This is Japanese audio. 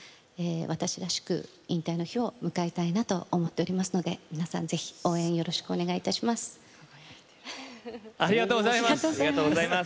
私らしく引退の日を迎えたいなと思っておりますので皆さん、ぜひ応援をよろしくお願いします。